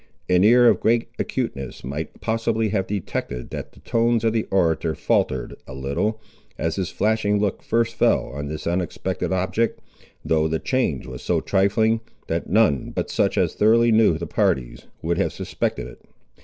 An ear of great acuteness might possibly have detected that the tones of the orator faltered a little, as his flashing look first fell on this unexpected object, though the change was so trifling, that none, but such as thoroughly knew the parties, would have suspected it.